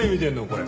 これ。